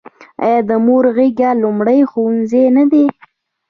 آیا د مور غیږه لومړنی ښوونځی نه دی؟